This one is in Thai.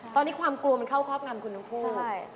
ตอนนี้ความกลัวเข้ากับความรักคุณน้องพูด